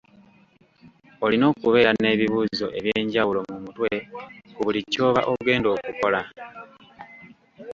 Olina okubeera n'ebibuuzo eby'enjawulo mu mutwe ku buli ky'oba ogenda okukola.